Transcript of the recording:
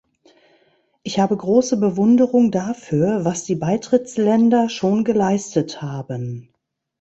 Ich habe große Bewunderung dafür, was die Beitrittsländer schon geleistet haben.